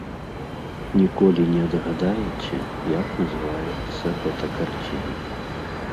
Ніколі не адгадаеце, як называецца гэта карціна.